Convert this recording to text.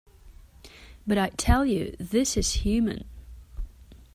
But I tell you — this is human.